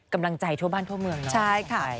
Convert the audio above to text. กำลังใจทั่วบ้านทั่วเมืองเนาะใช่ค่ะ